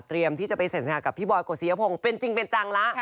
เตรียมที่จะไปเซ็นสัญญากับพี่บอยด์กดสียะพงค์เป็นจริงเป็นจังละ